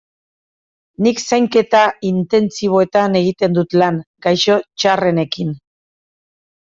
Nik Zainketa Intentsiboetan egiten dut lan, gaixo txarrenekin.